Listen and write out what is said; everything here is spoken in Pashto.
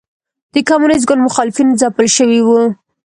د کمونېست ګوند مخالفین ځپل شوي وو.